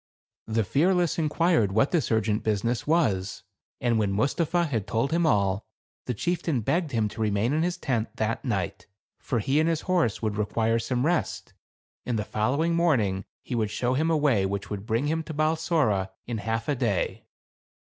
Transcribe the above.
The Fearless inquired what this urgent business was, and when Mustapha had told him all, the chieftain begged him to remain in his tent that night ; for he and his horse would require some THE CAB AVAN. 169 rest, and the following morning he would show him a way which would bring him to Balsora in half a day.